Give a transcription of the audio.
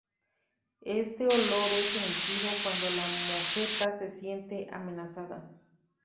Este olor es emitido cuando la mofeta se siente amenazada.